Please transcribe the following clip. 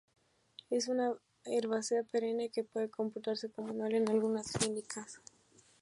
Es una herbácea perenne que puede comportarse como anual en algunos climas.